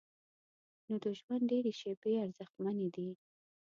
نو د ژوند ډېرې شیبې ارزښتمنې دي.